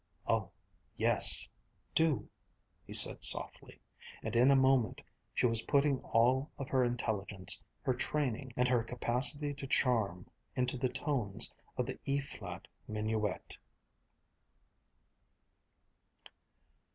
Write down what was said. "Oh yes, do!" he said softly. And in a moment she was putting all of her intelligence, her training, and her capacity to charm into the tones of the E flat Minuet.